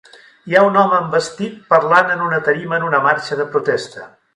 Hi ha un home en vestit parlant en una tarima en una marxa de protesta.